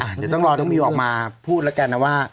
เดี๋ยวต้องรอน้องมิวออกมาพูดแล้วกันนะว่า